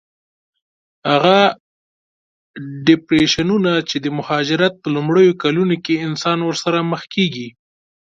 هغه ډېپریشنونه چې د مهاجرت په لومړیو کلونو کې انسان ورسره مخ کېږي.